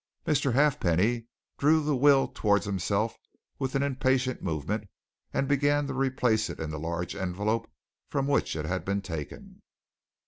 Mr. Halfpenny drew the will towards himself with an impatient movement and began to replace it in the large envelope from which it had been taken.